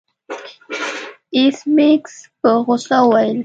ایس میکس په غوسه وویل